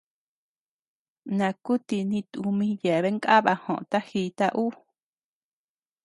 Nakuti ni tumi yeabean kaba joʼota jita ü.